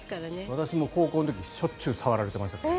私も高校の時しょっちゅう触られてましたから。